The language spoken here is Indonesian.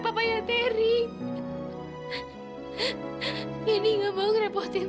papa gak boleh tahu